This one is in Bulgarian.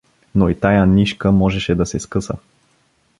Но и тая нишка можеше да се скъса.